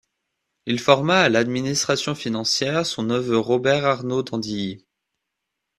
Il forma à l'administration financière son neveu Robert Arnauld d'Andilly.